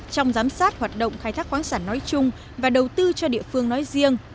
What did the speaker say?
trong giám sát hoạt động khai thác khoáng sản nói chung và đầu tư cho địa phương nói riêng